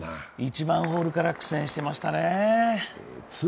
１番ホールから苦戦してましたね。